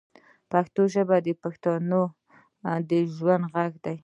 پښتو ژبه د بښتنو د ژوند ږغ دی